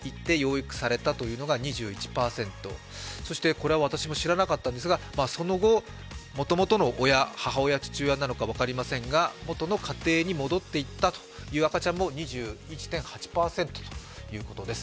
これは私も知らなかったんですがその後もともとの母親、父親なのか分かりませんがもとの家庭に戻っていったという赤ちゃんも２１．８％ということです。